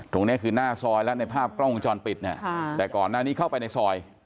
ตรงนี้คือหน้าซอยแล้วในภาพกล้องวงจรปิดเนี่ยแต่ก่อนหน้านี้เข้าไปในซอย